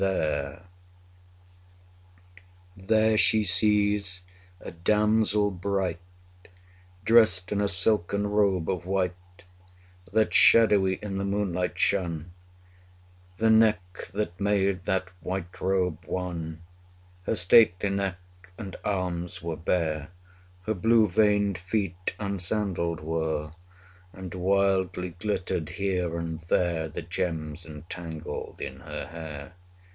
There she sees a damsel bright, Drest in a silken robe of white, That shadowy in the moonlight shone: 60 The neck that made that white robe wan, Her stately neck, and arms were bare; Her blue veined feet unsandal'd were, And wildly glittered here and there The gems entangled in her hair.